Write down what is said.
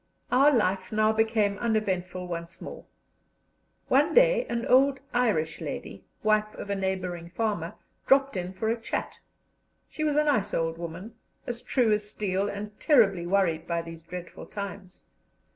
Our life now became uneventful once more. One day an old Irish lady, wife of a neighbouring farmer, dropped in for a chat. She was a nice old woman, as true as steel, and terribly worried by these dreadful times.